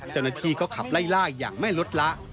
เจ้าหน้าที่ก็ขับไล่ล่าอย่างไม่ลดละ